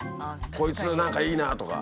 こいつ何かいいなとか。